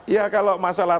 ya kalau masalah